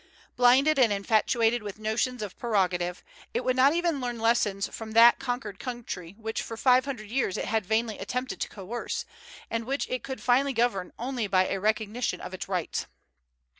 Blinded and infatuated with notions of prerogative, it would not even learn lessons from that conquered country which for five hundred years it had vainly attempted to coerce, and which it could finally govern only by a recognition of its rights.